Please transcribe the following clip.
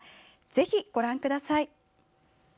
ぜひ、ご覧ください。